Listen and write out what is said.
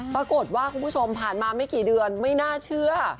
คุณผู้ชมผ่านมาไม่กี่เดือนไม่น่าเชื่อ